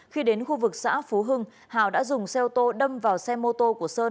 khi đến khu vực xã phú hưng hào đã dùng xe ô tô đâm vào xe mô tô của sơn